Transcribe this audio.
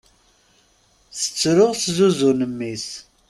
Tettru tezzuzzun mmi-s.